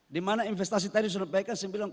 dimana investasi tadi sudah berbaik